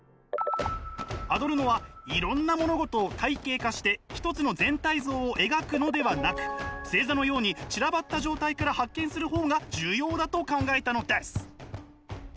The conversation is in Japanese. アドルノはいろんな物事を体系化して一つの全体像を描くのではなく星座のように散らばった状態から発見する方が重要だと考えたのです。